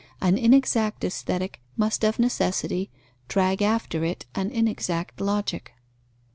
An inexact Aesthetic must of necessity drag after it an inexact Logic.